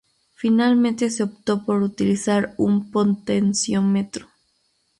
Finalmente se optó por utilizar un Potenciómetro.